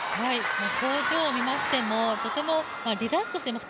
表情を見ましても、とてもリラックスしています。